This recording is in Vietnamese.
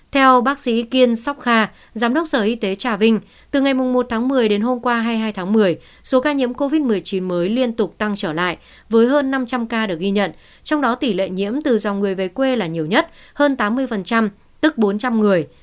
theo bác sĩ kiên sóc kha giám đốc sở y tế trà vinh từ ngày một tháng một mươi đến hôm qua hai mươi hai tháng một mươi số ca nhiễm covid một mươi chín mới liên tục tăng trở lại với hơn năm trăm linh ca được ghi nhận trong đó tỷ lệ nhiễm từ dòng người về quê là nhiều nhất hơn tám mươi tức bốn trăm linh người